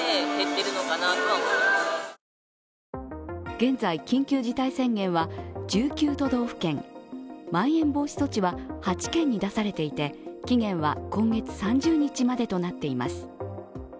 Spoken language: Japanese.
現在、緊急事態宣言は１９都道府県、まん延防止措置は８県に出されていて期限は今月３０日までとなっています。